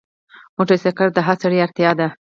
موټرسایکل د هر سړي اړتیا ده.